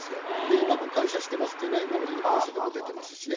今も感謝してますっていうのは、今までの文書でも出てますしね。